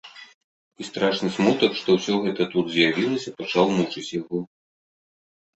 І страшны смутак, што ўсё гэта тут з'явілася, пачаў мучыць яго.